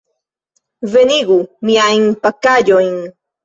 Venigu miajn pakaĵojn.